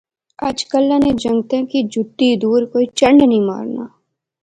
اجا کلا نے جنگُتاں کی جُتی دور کوئی چنڈ نی مارنا